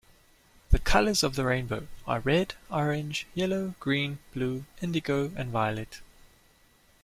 The colours of the rainbow are red, orange, yellow, green, blue, indigo, and violet.